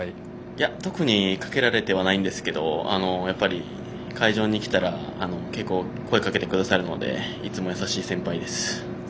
いや、特にかけられてはいないんですけどやっぱり会場に来たら結構声をかけてくださるのでいつも優しい先輩です。